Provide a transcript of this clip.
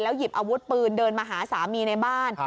หยิบอาวุธปืนเดินมาหาสามีในบ้าน